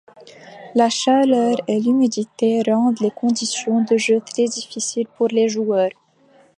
La chaleur et l'humidité rendent les conditions de jeu très difficiles pour les joueurs.